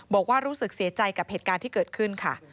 บอกว่ารู้สึกเสียใจกับเหตุการณ์ที่เกิดขึ้นค่ะ